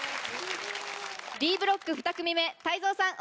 Ｄブロック２組目泰造さん